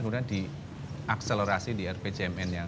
kemudian diakselerasi di rpcmn yang akan datang